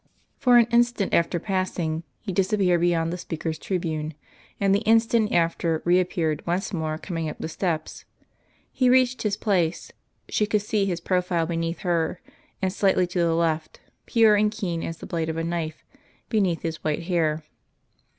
For an instant after passing he disappeared beyond the speaker's tribune, and the instant after reappeared once more, coming up the steps. He reached his place she could see His profile beneath her and slightly to the left, pure and keen as the blade of a knife, beneath His white hair.